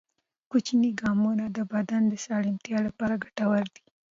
کوچني ګامونه د بدن د سلامتیا لپاره ګټور دي.